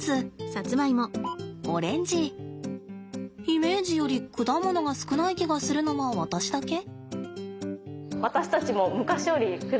イメージより果物が少ない気がするのは私だけ？